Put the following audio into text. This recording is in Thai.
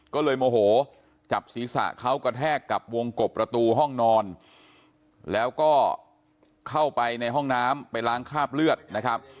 ก็เลยโมโหจับศีรษะเขากระแทกกับวงกบประตูห้องนอนแล้วก็เข้าไปในห้องน้ำไปล้างคราบเลือดนะครับ